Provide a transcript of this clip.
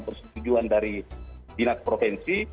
persetujuan dari dinas provinsi